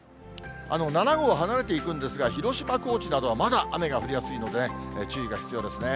７号は離れていくんですが、広島、高知などはまだ雨が降りやすいのでね、注意が必要ですね。